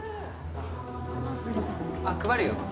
あっ配るよ。